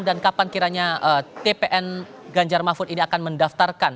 dan kapan kiranya tpn ganjar mahfud ini akan mendaftarkan